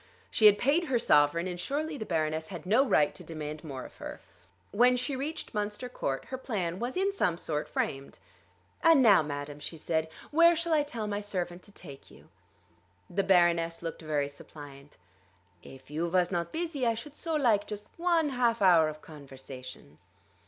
She had paid her sovereign, and surely the Baroness had no right to demand more of her. When she reached Munster Court her plan was in some sort framed. "And now, madam," she said, "where shall I tell my servant to take you?" The Baroness looked very suppliant. "If you vas not busy I should so like just one half hour of conversation."